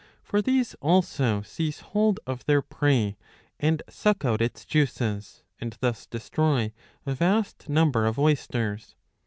For these also seize hold of their prey, and suck out its juices, and thus destroy a vast number of oysters.